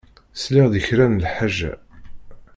Sliɣ-d i kra n lḥaǧa.